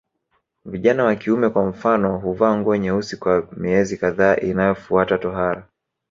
Vijana wa kiume kwa mfano huvaa nguo nyeusi kwa miezi kadhaa inayofuata tohara